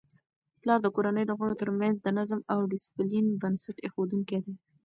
پلار د کورنی د غړو ترمنځ د نظم او ډیسپلین بنسټ ایښودونکی دی.